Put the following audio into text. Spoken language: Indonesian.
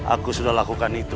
aku sudah lakukan itu